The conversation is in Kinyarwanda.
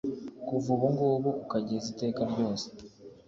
kuva ubu ngubu ukazageza iteka ryose